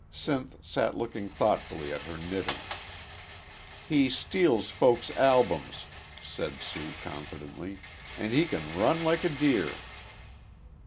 Sinth sat looking thoughtfully at her knitting. "He steals folks' albums," said Sue, confidently, "an' he can run like a deer."